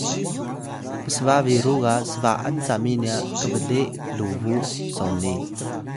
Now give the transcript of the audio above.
psba biru ga sba’an cami nya kble lubuw soni